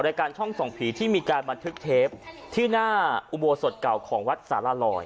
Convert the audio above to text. รายการช่องส่องผีที่มีการบันทึกเทปที่หน้าอุโบสถเก่าของวัดสารลอย